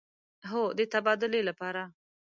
هو، د تبادلې لپاره